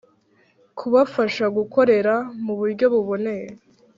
kubafasha gukorera mu buryo buboneye.